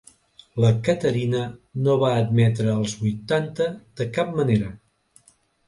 La Caterina no va admetre els vuitanta de cap manera.